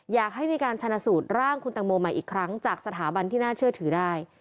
อยากให้มีการชนะสูตรร่างคุณตังโมใหม่อีกครั้งจากสถาบันที่น่าเชื่อถือได้